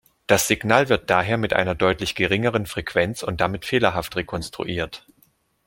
Das Signal wird daher mit einer deutlich geringeren Frequenz und damit fehlerhaft rekonstruiert.